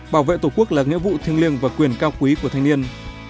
bảo vệ tổ quốc là nghĩa vụ thiêng liêng và quyền cao quý của thanh niên